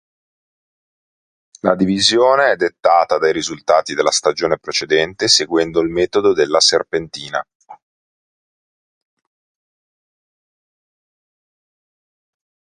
La divisione è dettata dai risultati della stagione precedente, seguendo il metodo della serpentina.